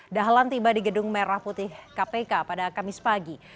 dahlan tiba di gedung merah putih kpk pada kamis pagi